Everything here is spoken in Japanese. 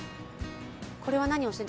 これは何をしてる？